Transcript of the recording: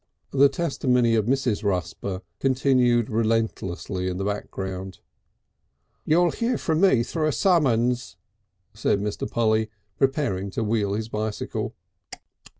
The testimony of Mrs. Rusper continued relentlessly in the background. "You'll hear of me through a summons," said Mr. Polly, preparing to wheel his bicycle.